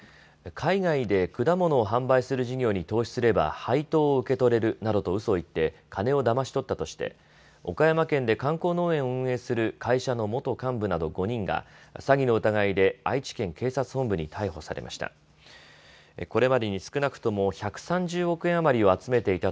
海外で果物を販売する事業に投資すれば配当を受け取れるなどとうそを言って金をだまし取ったとして岡山県で観光農園を運営する会社の元幹部など５人が詐欺の疑いで愛知県警察本部に逮捕されました。